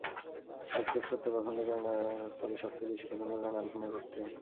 Sketch করতে পছন্দ করেন, তবে সবচেয়ে বেশি পছন্দ করেন আলপনা করতে।